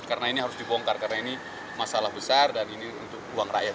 karena ini harus dibongkar karena ini masalah besar dan ini untuk uang rakyat